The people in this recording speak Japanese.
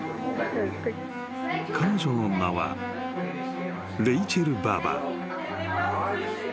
［彼女の名はレイチェル・バーバー］